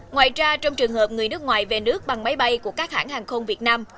ngoài ra trong trường hợp người nước ngoài về nước bằng máy bay của các hãng hàng không việt nam